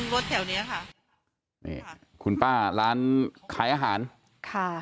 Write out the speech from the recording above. รถแถวเนี้ยค่ะนี่ค่ะคุณป้าร้านขายอาหารค่ะ